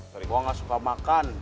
dari gue gak suka makan